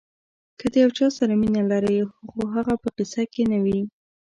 که د یو چا سره مینه لرئ خو هغه په قصه کې نه وي.